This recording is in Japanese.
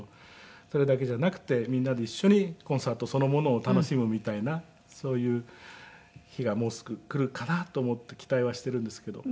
それだけじゃなくてみんなで一緒にコンサートそのものを楽しむみたいなそういう日がもうすぐ来るかなと思って期待はしているんですけど。